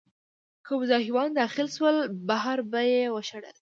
که مزاحمان داخل شول، بهر به یې وشړل.